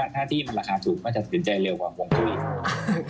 ถ้าที่มันราคาถูกก็จะตื่นใจเร็วกว่าห่วงผู้อีก